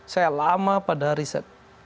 saya lama pada riset